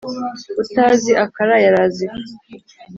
Utazi akaraye araza ifu.